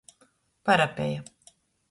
Parapeja.